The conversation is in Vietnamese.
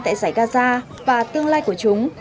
tại giải gaza và tương lai của chúng